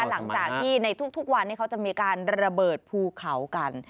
หลังจากที่ในทุกวันนี้เขาจะมีการระเบิดภูเขากัน